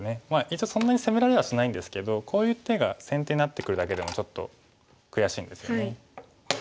一応そんなに攻められはしないんですけどこういう手が先手になってくるだけでもちょっと悔しいんですよね。